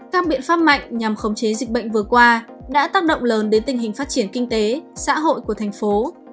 các biện pháp mạnh nhằm khống chế dịch bệnh vừa qua đã tác động lớn đến tình hình phát triển kinh tế xã hội của thành phố